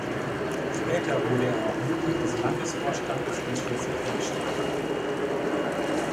Später wurde er auch Mitglied des Landesvorstandes in Schleswig-Holstein.